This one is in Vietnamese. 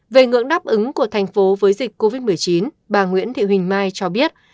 về ngưỡng đáp ứng của thành phố với dịch covid một mươi chín bà nguyễn thị huỳnh mai cho biết